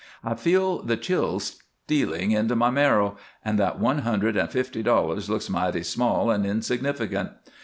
I feel the chills stealing into my marrow, and that one hundred and fifty dollars looks mighty small and insignificant.